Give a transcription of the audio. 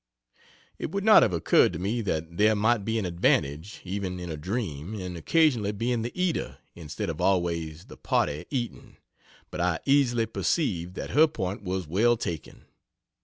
It would not have occurred to me that there might be an advantage, even in a dream, in occasionally being the eater, instead of always the party eaten, but I easily perceived that her point was well taken.